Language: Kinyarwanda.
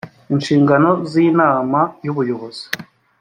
inshingano z inama y ubuyobozi